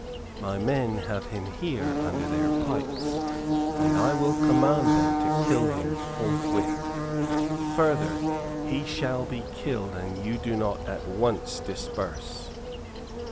My men have him here under their pikes, and I will command them to kill him forthwith. Further, he shall be killed an you do not at once disperse."